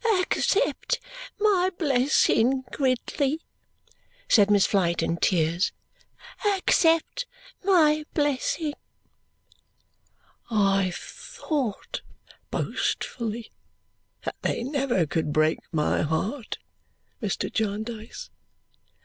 "Accept my blessing, Gridley," said Miss Flite in tears. "Accept my blessing!" "I thought, boastfully, that they never could break my heart, Mr. Jarndyce.